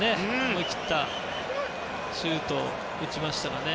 思い切ったシュートを打ちましたね。